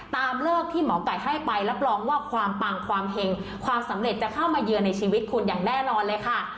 ตามเลิกที่หมอไก่ให้ไปรับรองว่าความปังความเห็งความสำเร็จจะเข้ามาเยือนในชีวิตคุณอย่างแน่นอนเลยค่ะ